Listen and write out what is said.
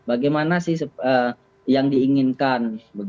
bagaimana sih yang diinginkan